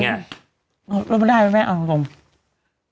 แล้วก็ได้หรือเปล่าแม่ออกมาตรงนี้